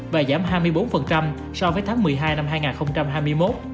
và giảm hai mươi bốn so với tháng một mươi hai năm hai nghìn hai mươi một